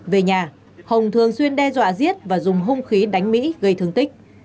về nhà hồng thường xuyên đe dọa giết và dùng hung khí đánh mỹ gây thương tích